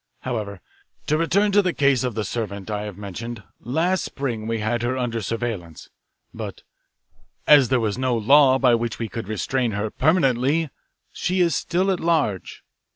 "However, to return to the case of the servant I have mentioned. Last spring we had her under surveillance, but as there was no law by which we could restrain her permanently she is still at large.